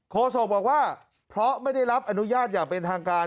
โศกบอกว่าเพราะไม่ได้รับอนุญาตอย่างเป็นทางการ